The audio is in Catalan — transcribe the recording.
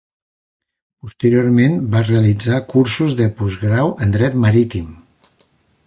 Posteriorment, va realitzar cursos de postgrau en Dret Marítim.